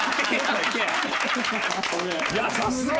いやさすが！